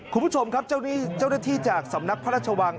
คุณผู้ชมครับเจ้าหน้าที่จากสำนักพระราชวัง